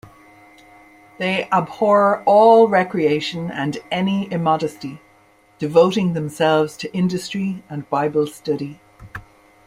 They abhor all recreation and any immodesty, devoting themselves to industry and bible study.